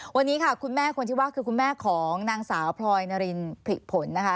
วันนี้ค่ะคุณแม่คนที่ว่าคือคุณแม่ของนางสาวพลอยนารินผลิผลนะคะ